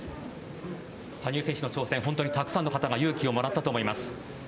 羽生選手の挑戦、本当にたくさんの方が勇気をもらったと思います。